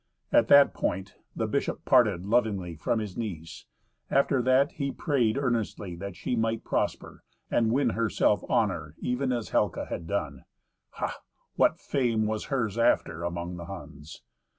At that point the bishop parted lovingly from his niece, after that he had prayed earnestly that she might prosper, and win herself honour even as Helca had done. Ha! what fame was hers after, among the Huns!